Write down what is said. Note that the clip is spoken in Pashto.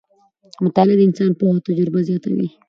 مطالعه د انسان پوهه او تجربه زیاتوي